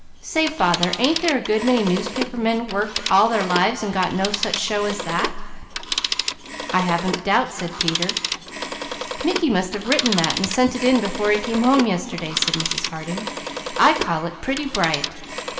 Say father, ain't there a good many newspaper men worked all their lives, and got no such show as that?" "I haven't a doubt of it," said Peter. "Mickey must have written that, and sent it in before he came home yesterday," said Mrs. Harding. "I call it pretty bright!